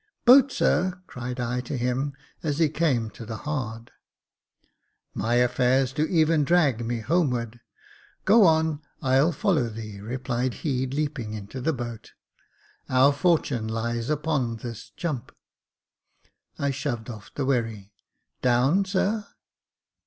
"Boat, sir," cried I to him as he came to the hard. " My affairs do even drag me homeward. Goon; I'll follow thee," replied he, leaping into the boat. " Our fortune lies upon this jump." I shoved off the wherry :" Down, sir